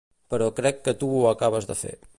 Però crec que tu ho acabes de fer.